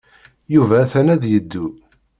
Yuba atan ad yeddu.